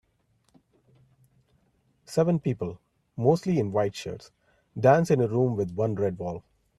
Seven people, mostly in white shirts, dance in a room with one red wall.